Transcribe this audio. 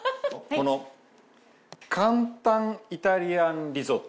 この簡単イタリアンリゾット